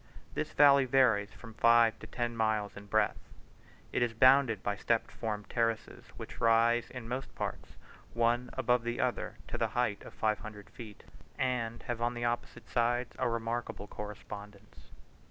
This valley varies from five to ten miles in breadth; it is bounded by step formed terraces, which rise in most parts, one above the other, to the height of five hundred feet, and have on the opposite sides a remarkable correspondence.